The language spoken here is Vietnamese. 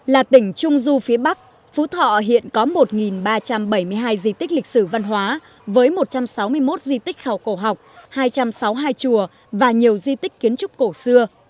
là tỉnh trung du phía bắc phú thọ hiện có một ba trăm bảy mươi hai di tích lịch sử văn hóa với một trăm sáu mươi một di tích khảo cổ học hai trăm sáu mươi hai chùa và nhiều di tích kiến trúc cổ xưa